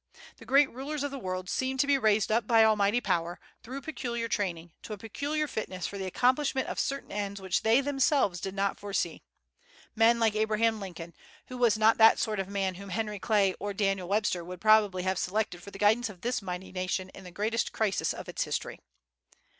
The great rulers of the world seem to be raised up by Almighty Power, through peculiar training, to a peculiar fitness for the accomplishment of certain ends which they themselves did not foresee, men like Abraham Lincoln, who was not that sort of man whom Henry Clay or Daniel Webster would probably have selected for the guidance of this mighty nation in the greatest crisis of its history.